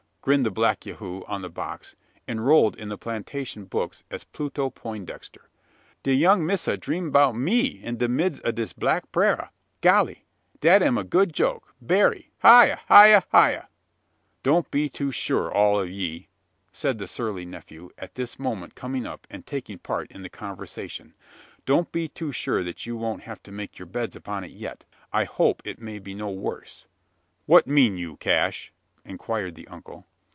grinned the black Jehu, on the box enrolled in the plantation books as Pluto Poindexter "De young missa dream 'bout me in de mids' ob dis brack praira! Golly! dat am a good joke berry! Hya! hya! hya!" "Don't be too sure, all of ye," said the surly nephew, at this moment coming up, and taking part in the conversation "don't be too sure that you won't have to make your beds upon it yet. I hope it may be no worse." "What mean you, Cash?" inquired the uncle.